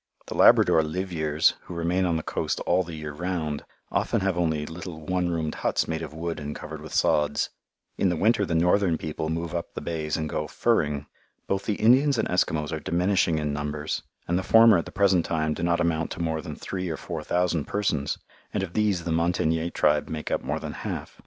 The Labrador "liveyeres," who remain on the coast all the year round, often have only little one roomed huts made of wood and covered with sods. In the winter the northern people move up the bays and go "furring." Both the Indians and Eskimos are diminishing in numbers, and the former at the present time do not amount to more than three or four thousand persons and of these the Montagnais tribe make up more than half.